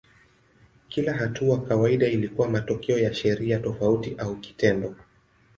Kila hatua kawaida ilikuwa matokeo ya sheria tofauti au kitendo.